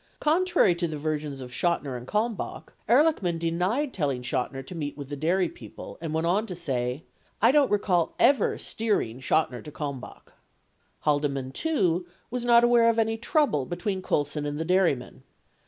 95 Contrary to the versions of Chotiner and Kalmbach, Ehrlich man denied telling Chotiner to meet with the dairy people, and went on to say : "I don't recall ever steering Chotiner to Kalmbach." 96 Haldeman, too, was not aware of any trouble between Colson and the dairymen.